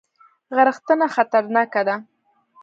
غرختنه خطرناکه ده؟